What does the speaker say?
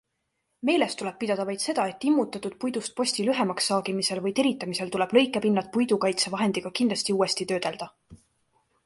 Meeles tuleb pidada vaid seda, et immutatud puidust posti lühemaks saagimisel või teritamisel tuleb lõikepinnad puidukaitsevahendiga kindlasti uuesti töödelda.